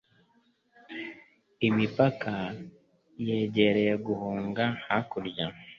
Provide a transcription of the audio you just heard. Imipaka yegereye guhunga hakurya.